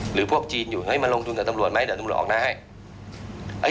พวกจีนอยู่เฮ้ยมาลงทุนกับตำรวจไหมเดี๋ยวตำรวจออกหน้าให้